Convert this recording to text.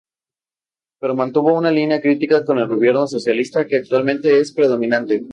Pero mantuvo una línea crítica con el gobierno socialista, que actualmente es predominante.